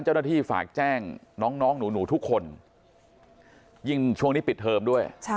เจ้าหน้าที่ฝากแจ้งน้องหนูทุกคนยิ่งช่วงนี้ปิดเทอมด้วย